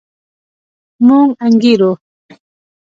موږ انګېرو.